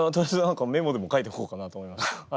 メモでも書いておこうかなと思いましてはい。